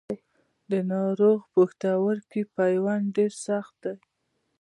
د ناروغ پښتورګي پیوند ډېر سخت دی.